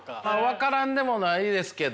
分からんでもないですけど。